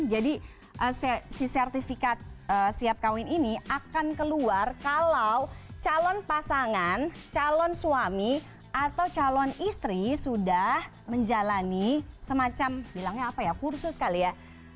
jadi si sertifikat siap kawin ini akan keluar kalau calon pasangan calon suami atau calon istri sudah menjalani semacam bilangnya apa ya kursus kali ya